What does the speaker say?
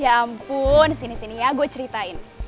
ya ampun sini sini ya gue ceritain